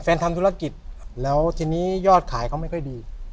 ทำธุรกิจแล้วทีนี้ยอดขายเขาไม่ค่อยดี